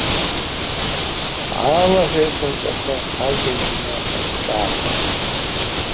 Алаҳәа еиқәаҵәақәа хагьежьны рҿаархахьан.